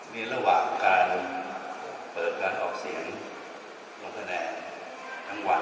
ในระหว่างการเปิดการออกเสียงลงคะแนนทั้งวัน